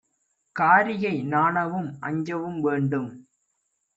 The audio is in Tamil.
காரிகை நாணவும் அஞ்சவும் வேண்டும்;